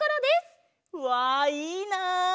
うわいいなあ！